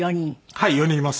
はい４人います。